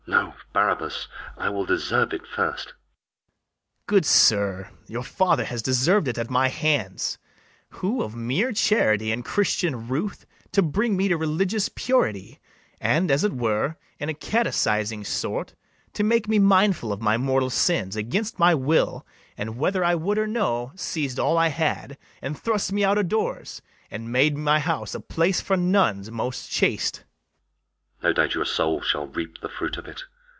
[Aside.] LODOWICK. No, Barabas, I will deserve it first. BARABAS. Good sir, Your father has deserv'd it at my hands, Who, of mere charity and Christian ruth, To bring me to religious purity, And, as it were, in catechising sort, To make me mindful of my mortal sins, Against my will, and whether I would or no, Seiz'd all I had, and thrust me out o' doors, And made my house a place for nuns most chaste. LODOWICK. No doubt your soul shall reap the fruit of it.